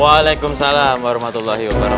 waalaikumsalam warahmatullahi wabarakatuh